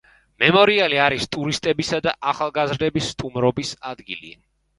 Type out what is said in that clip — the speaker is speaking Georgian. მემორიალი არის ტურისტებისა და ახალგაზრდების სტუმრობის ადგილი.